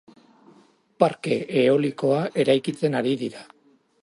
Parke eoilikoa eraikitzen ari dira.